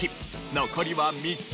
残りは３つ。